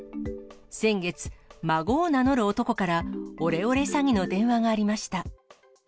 先月、孫を名乗る男からオレオレ詐欺の電話がありました。